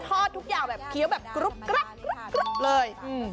ถอนด้วยทุกที่เกียวแบบกรี๊บเลย